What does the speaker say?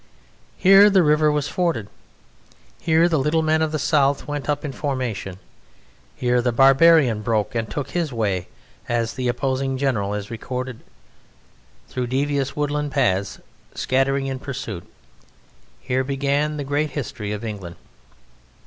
Here the river was forded; here the little men of the South went up in formation; here the Barbarian broke and took his way, as the opposing General has recorded, through devious woodland paths, scattering in the pursuit; here began the great history of England.